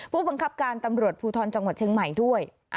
ผู้บังคับการตำรวจภูทรจังหวัดเชียงใหม่ด้วย